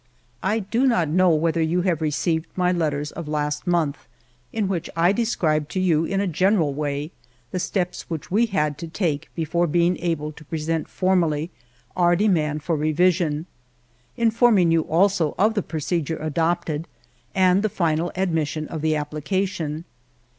I do not know whether you have received my letters of last month ^ in which I described to you, in a general way, the steps which we had to take before being able to present formally our demand for revision, informing you also of the procedure adopted and the final admission of the application.